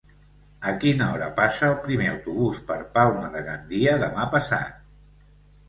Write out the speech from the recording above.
A quina hora passa el primer autobús per Palma de Gandia demà passat?